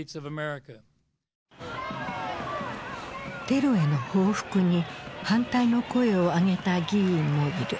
テロへの報復に反対の声を上げた議員もいる。